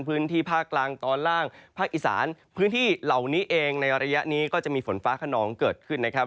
พื้นที่ภาคกลางตอนล่างภาคอีสานพื้นที่เหล่านี้เองในระยะนี้ก็จะมีฝนฟ้าขนองเกิดขึ้นนะครับ